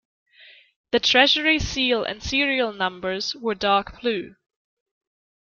The treasury seal and serial numbers were dark blue.